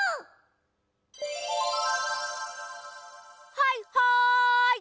はいはい！